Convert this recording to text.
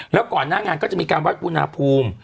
แล้วก่อนหน้างานก็จะมีการวัดอุณหภูมิ